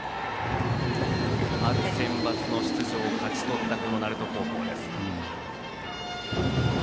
春センバツの出場を勝ち取った鳴門高校です。